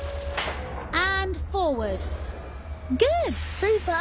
スーパー！